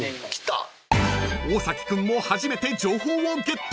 ［大崎君も初めて情報をゲット］